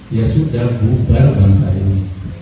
ya sudah bubar bangsa ini